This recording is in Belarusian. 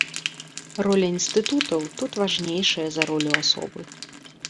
Роля інстытутаў тут важнейшая за ролю асобы.